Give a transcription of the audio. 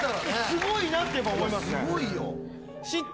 すごいなって思いますね。